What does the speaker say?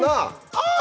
「はい！」